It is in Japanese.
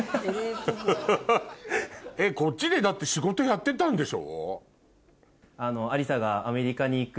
こっちでだって仕事やってたんでしょ？